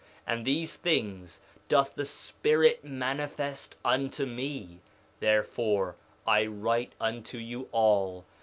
3:20 And these things doth the Spirit manifest unto me; therefore I write unto you all.